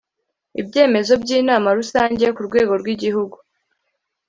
ibyemezo by inama rusange ku rwego rw igihugu